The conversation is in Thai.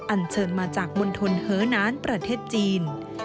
อันเชิญมาจากมณฑลเหอนานประเทศจีน